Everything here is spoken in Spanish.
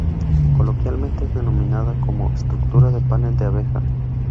Coloquialmente, es denominada como estructura de panal de abeja.